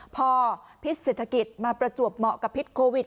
พอพิษเศรษฐกิจมาประจวบเหมาะกับพิษโควิด